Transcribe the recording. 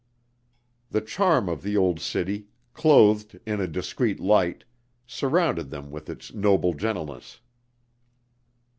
The charm of the Old City, clothed in a discreet light, surrounded them with its noble gentleness.